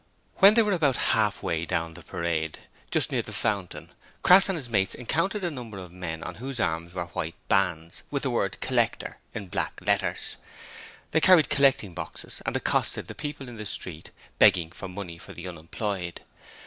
When they were about half way down the Parade, just near the Fountain, Crass and his mates encountered a number of men on whose arms were white bands with the word 'Collector' in black letters. They carried collecting boxes and accosted the people in the street, begging for money for the unemployed.